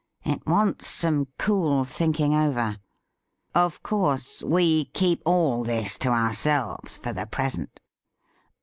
It wants some cool thinking over. Of course, we keep all this to ourselves for the present